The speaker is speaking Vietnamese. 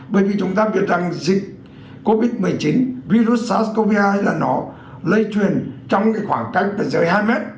bởi vì chúng ta biết rằng dịch covid một mươi chín virus sars cov hai là nó lây truyền trong khoảng cách dưới hai m